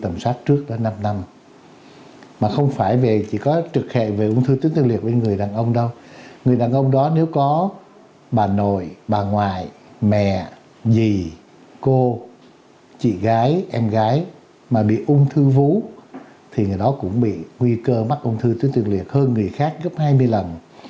mẹ dì cô chị gái em gái mà bị ung thư vú thì người đó cũng bị nguy cơ mắc ung thư tuyến tiền liệt hơn người khác gấp hai mươi lần